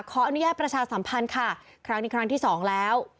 ขออนุญาตประชาสัมพันธ์ค่ะครั้งนี้ครั้งที่สองแล้ว